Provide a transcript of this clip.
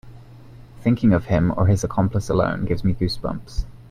Thinking of him or his accomplice alone gives me goose bumps.